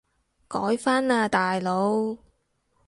改返喇大佬